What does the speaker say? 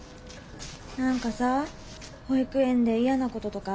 なんかさ保育園で嫌なこととかある？